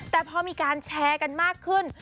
แต่พอมีการแชร์กันมากขึ้น